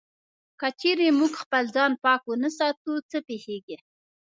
که چېرې موږ خپل ځان پاک و نه ساتو، څه پېښيږي؟